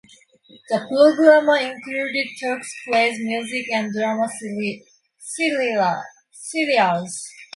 The programme included talks, plays, music and drama serials.